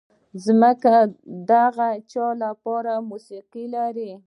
ځمکه د هغه چا لپاره موسیقي لري.